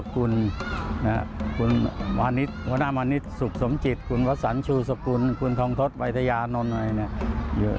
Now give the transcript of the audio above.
คุณวันนิสสุขสมจิตคุณวัฒนชูสกุลคุณทองทศไวทยานนท์